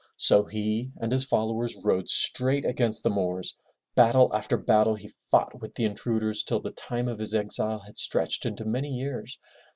So he and his followers rode straight against the Moors. Battle after battle he fought with the intruders till the time of his exile had stretched into many years.